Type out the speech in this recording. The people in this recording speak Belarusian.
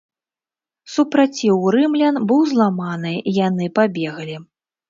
Супраціў рымлян быў зламаны, яны пабеглі.